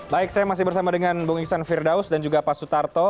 baik saya masih bersama dengan bung iksan firdaus dan juga pak sutarto